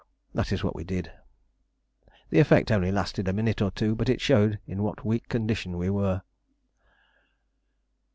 That is what we did. The effect only lasted a minute or two, but it showed in what a weak condition we were.